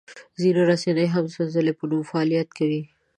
ځینې رسنۍ هم د سنځلې په نوم فعالیت کوي.